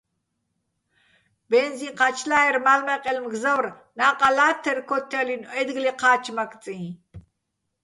ბენზიჼ ჴა́ჩლა́ერ, მალ-მაყჲე́ჲლნო̆ მგზავრ ნა́ყა ლა́თთერ ქოთთჲალინო̆ ა́ჲდგლი ჴა́ჩმაკწიჼ.